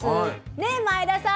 ね前田さん！